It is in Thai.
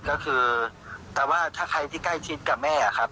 ก็คือแต่ว่าถ้าใครที่ใกล้ชิดกับแม่ครับ